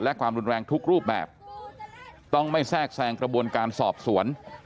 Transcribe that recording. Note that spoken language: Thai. และความรุนแรงทุกรูปแบบต้องไม่แทรกแทรงกระบวนการสอบสวน